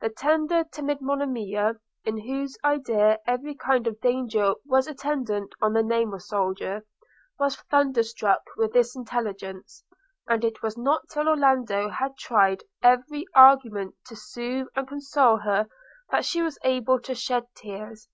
The tender, timid Monimia, in whose idea every kind of danger was attendant on the name of soldier, was thunderstruck with this intelligence: and it was not till Orlando had tried every argument to soothe and console her, that she was able to shed tears.